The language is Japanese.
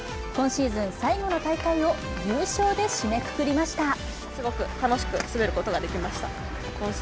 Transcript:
今シーズン、最後の大会を優勝で締めくくりました。